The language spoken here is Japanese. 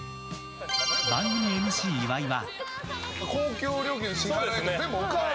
番組ＭＣ岩井は。